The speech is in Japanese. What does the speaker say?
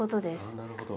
なるほど。